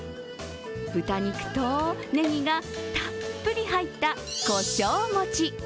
豚肉とねぎがたっぷり入った胡椒餅。